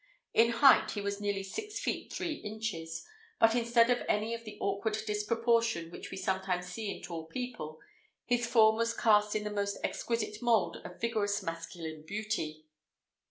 In height he was nearly six feet three inches; but instead of any of the awkward disproportion which we sometimes see in tall people, his form was cast in the most exquisite mould of vigorous masculine beauty.